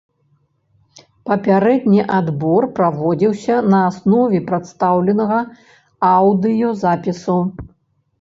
Папярэдні адбор праводзіўся на аснове прадстаўленага аўдыёзапісу.